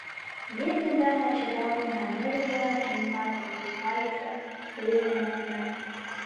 Ме тендан ачада улына, — неле гынат, нимат огыл, — кайыза! веле манына.